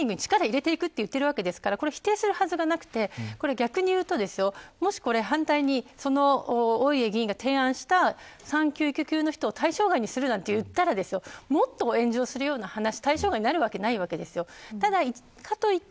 政権としては、このリスキリングに力を入れていくと言っているわけですからこれを否定するはずがなくてこれを逆に言うともし反対に大家議員が提案した産休・育休中の人を対象外にするなんて言ったらもっと炎上するような話対象外になるわけないわけですよ。